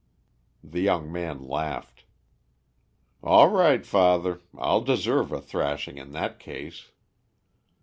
The young man laughed. "All right, father. I'll deserve a thrashing in that case."